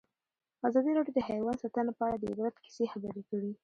ازادي راډیو د حیوان ساتنه په اړه د عبرت کیسې خبر کړي.